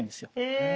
へえ。